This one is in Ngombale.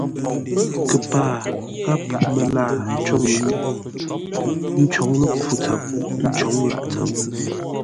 Kəpaa gháp məlaa côŋ yʉʼ, ə́ ncǒŋ ləpfû tsəm, ə́ ncǒŋ lâʼ tsəm.